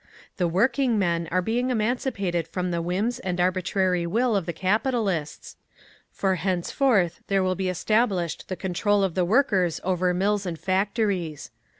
The workingmen are being emancipated from the whims and arbitrary will of the capitalists, for henceforth there will be established the control of the workers over mills and factories.